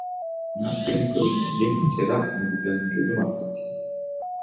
Natwe niko bitugendekera: mu biganiro by'amafuti,